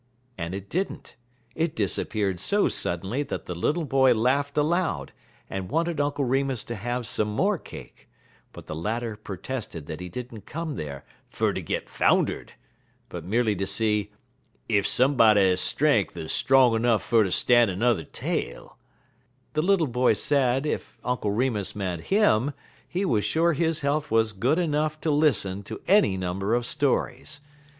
And it did n't. It disappeared so suddenly that the little boy laughed aloud, and wanted Uncle Remus to have some more cake; but the latter protested that he did n't come there "fer ter git founder'd," but merely to see "ef somebody's strenk uz strong 'nuff fer ter stan' 'n'er tale." The little boy said if Uncle Remus meant him, he was sure his health was good enough to listen to any number of stories.